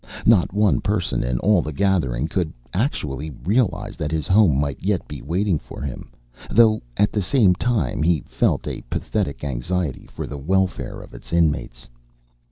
Not one person in all the gathering could actually realize that his home might yet be waiting for him, though at the same time he felt a pathetic anxiety for the welfare of its inmates.